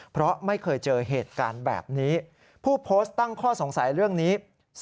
เพราะไม่เคยเจอเหตุการณ์แบบนี้ผู้โพสต์ตั้งข้อสงสัยเรื่องนี้